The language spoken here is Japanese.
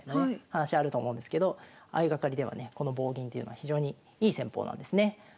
話あると思うんですけど相掛かりではねこの棒銀というのは非常にいい戦法なんですね。